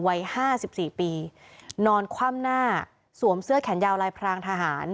วัย๕๔ปีนอนคว่ำหน้าสวมเสื้อแขนยาวลายพรางทหาร